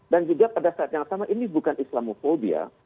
dan juga pada saat yang sama ini bukan islamofobia